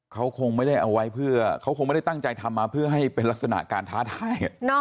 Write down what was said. เขาคงไม่ได้เอาไว้เพื่อเขาคงไม่ได้ตั้งใจทำมาเพื่อให้เป็นลักษณะการท้าทาย